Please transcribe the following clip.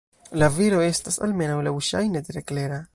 La viro estas, almenaŭ laŭŝajne, tre klera.